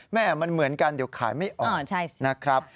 แม่มันเหมือนกันเดี๋ยวขายไม่ออกนะครับ